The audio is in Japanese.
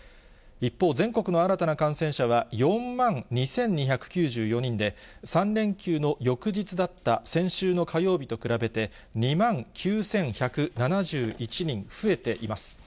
一方、全国の新たな感染者は４万２２９４人で、３連休の翌日だった先週の火曜日と比べて２万９１７１人増えています。